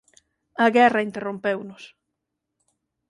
A guerra interrompeunos...